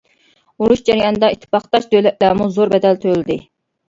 ئۇرۇش جەريانىدا ئىتتىپاقداش دۆلەتلەرمۇ زور بەدەل تۆلىدى.